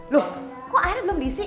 loh kok air belum bisik